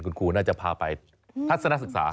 คุณครูน่าจะพาไปทัศนศึกษา